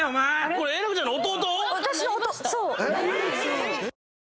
これえなこちゃんの弟